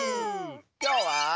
きょうは。